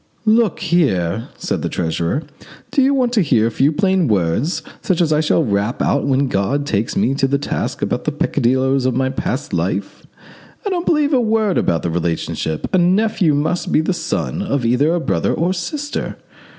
"Look here," said the treasurer, "do you want to hear a few plain words, such as I shall rap out when God takes me to task about the peccadilloes of my past life? I don't believe a word about the relationship. A nephew must be the son of either a brother or a sister.